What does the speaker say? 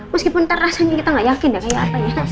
meskipun ntar rasanya kita gak yakin ya kayak apa ya